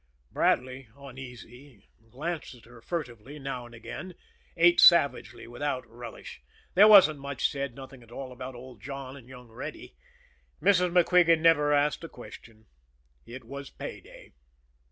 Bradley, uneasy, glancing at her furtively now and again, ate savagely, without relish. There wasn't much said; nothing at all about old John and young Reddy. Mrs. MacQuigan never asked a question it was pay day.